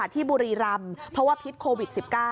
ที่บุรีรำเพราะว่าพิษโควิด๑๙